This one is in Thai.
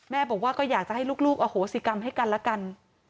แม่บอกว่าก็อยากจะให้ลูกอโหสิกรรมให้กันละกัน